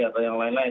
atau yang lain lain